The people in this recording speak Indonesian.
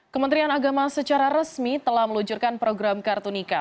kementerian agama secara resmi telah meluncurkan program kartu nikah